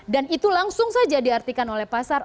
dan itu langsung saja diartikan oleh pasar